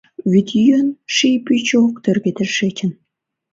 Вӱд йӱын, ший пӱчӧ ок тӧргӧ тышечын.